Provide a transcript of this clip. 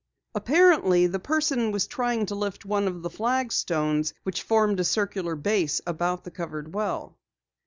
Apparently the person was trying to lift one of the flagstones which formed a circular base about the covered well.